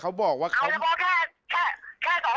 เค้ามีเค้ามีโทรศัพท์อยู่ที่งำงาน